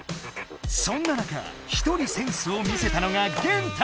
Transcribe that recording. そんな中ひとりセンスを見せたのがゲンタ。